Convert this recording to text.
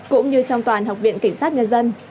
cũng như trong toàn học viện cảnh sát nhân dân